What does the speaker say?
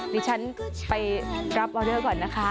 ดิฉันไปรับออเดอร์ก่อนนะคะ